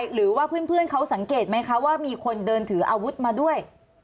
หรือว่าเพื่อนเขาสังเกตไหมคะว่ามีคนเดินถืออาวุธมาด้วย